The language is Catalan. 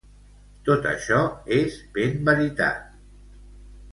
Tot això és ben veritat.